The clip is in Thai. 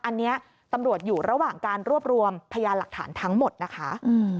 อันนี้ตำรวจอยู่ระหว่างการรวบรวมพยานหลักฐานทั้งหมดนะคะ